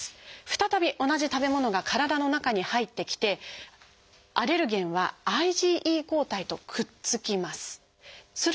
再び同じ食べ物が体の中に入ってきてアレルゲンはＩｇＥ抗体とくっつきます。